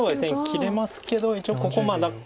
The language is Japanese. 切れますけど一応ここまだコウなので。